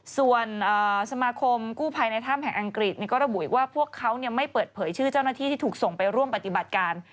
ส่วนสมาคมกู้ภัยในถ้ำแห่งอังกฤษก็ระบุอีกว่าพวกเขาไม่เปิดเผยชื่อเจ้าหน้าที่ที่ถูกส่งไปร่วมปฏิบัติการ